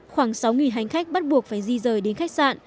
khoảng sáu hành khách bắt buộc phải di rời đến khách sạn